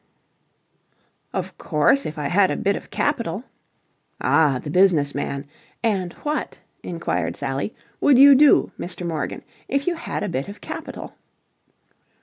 "Of course, if I had a bit of capital..." "Ah! The business man! And what," inquired Sally, "would you do, Mr. Morgan, if you had a bit of capital?"